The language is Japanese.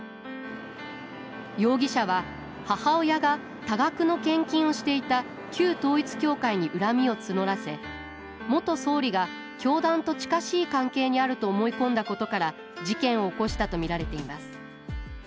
容疑者は母親が多額の献金をしていた旧統一教会に恨みを募らせ元総理が教団と近しい関係にあると思い込んだことから事件を起こしたと見られています